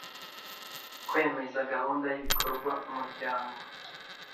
Kwemeza gahunda y ibikorwa umuryango